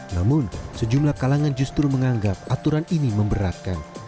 namun sejumlah kalangan justru menganggap aturan ini memberatkan